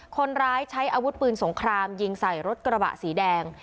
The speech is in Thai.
คนร้ายใช้อาวุธปืนสงครามยิงใส่รถกระบะสีแดง